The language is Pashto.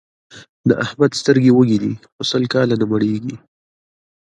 د احمد سترګې وږې دي؛ په سل کاله نه مړېږي.